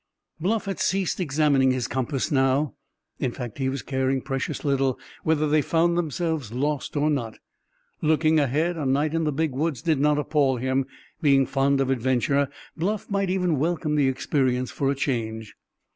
Bluff had ceased examining his compass now. In fact, he was caring precious little whether they found themselves lost or not. Looking ahead, a night in the Big Woods did not appall him; being fond of adventure, Bluff might even welcome the experience for a change.